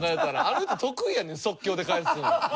あの人得意やねん即興で返すの。